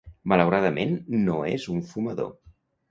Malauradament, no es un fumador.